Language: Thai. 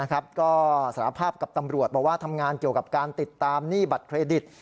ก็สารภาพกับตำรวจบอกว่าทำงานเกี่ยวกับการติดตามหนี้บัตรเครดิต